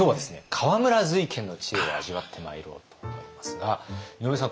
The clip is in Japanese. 河村瑞賢の知恵を味わってまいろうと思いますが井上さん